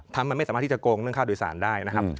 ถ้ามันไม่สามารถที่จะโกงเรื่องค่าโดยสารได้นะครับ